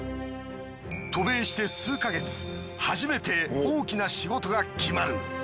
渡米して数か月初めて大きな仕事が決まる。